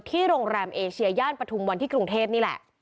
โรงแรมเอเชียย่านปฐุมวันที่กรุงเทพนี่แหละ